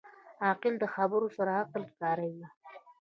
عاقل د خبرو سره عقل کاروي.